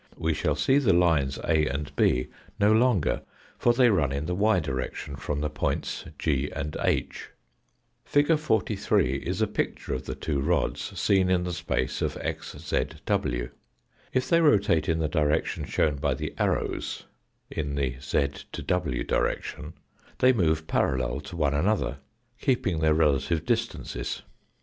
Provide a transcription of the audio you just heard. We shall see the lines A and B no longer, for they run in the y direction from the points G and H. Fig. 43 is a picture of the two rods seen in the space of xzw. If they rotate in the direction shown by the arrows in the z to w direction they move parallel to one another, keeping their relative distances.